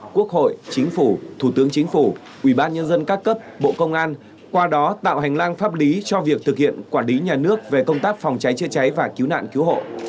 quốc hội chính phủ thủ tướng chính phủ ủy ban nhân dân các cấp bộ công an qua đó tạo hành lang pháp lý cho việc thực hiện quản lý nhà nước về công tác phòng cháy chế cháy và cứu nạn cứu hộ